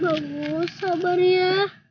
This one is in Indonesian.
bagus sabar ya